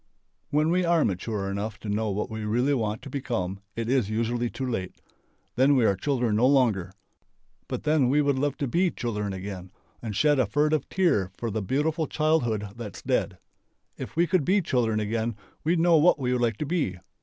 When we are mature enough to know what we really want to become it is usually too late. Then we are children no longer. But then we would love to be children again and shed a furtive tear for the beautiful childhood that's dead.... If we could be children again we'd know what we would like to be.